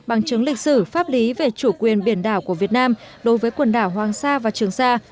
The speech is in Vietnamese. bằng chứng lịch sử pháp lý về chủ quyền biển đảo của việt nam đối với quần đảo hoàng sa và trường sa